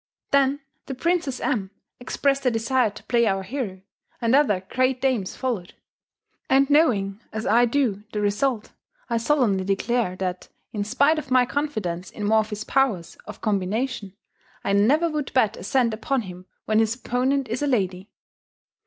Then the Princess M expressed a desire to play our hero, and other great dames followed; and knowing, as I do, the result, I solemnly declare that, in spite of my confidence in Morphy's powers of combination, I never would bet a cent upon him when his opponent is a lady.